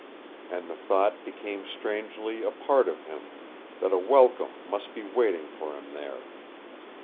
And the thought became strangely a part of him that a welcome must be waiting for him there.